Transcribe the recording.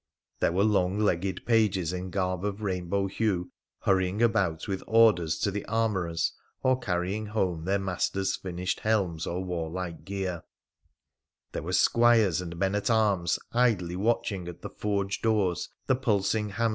Then were long legged pages in garb of rainbow hue hurrying abou with orders to the armourers or carrying home their masters finished helms or warlike gear ; there were squires and men at arms idly watching at the forge doors the pulsing hammer!